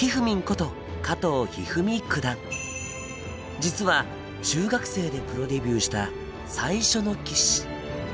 実は中学生でプロデビューした最初の棋士。